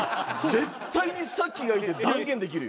絶対にさっきがいいって断言できるよ。